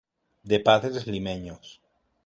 De padres Limeños.